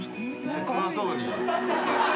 切なそうに。